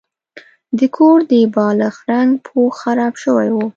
د کور د بالښت رنګه پوښ خراب شوی و.